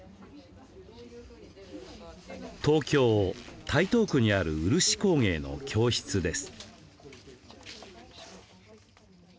東京・台東区にある漆工芸の教室です。